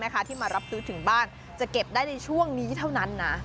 ที่มารับซื้อถึงบ้านจะเก็บได้ในช่วงนี้เท่านั้นนะ